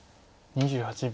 ２８秒。